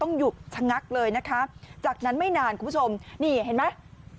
หยุดชะงักเลยนะคะจากนั้นไม่นานคุณผู้ชมนี่เห็นไหม